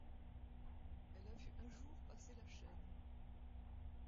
Elle a vu un jour passer la chaîne.